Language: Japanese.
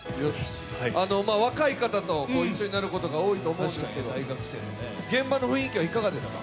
若い方と一緒になることが多いと思うんですけど、現場の雰囲気はいかがですか？